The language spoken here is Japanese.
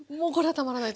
たまらないと。